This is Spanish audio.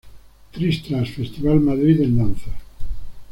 Tris Tras.Festival Madrid en Danza.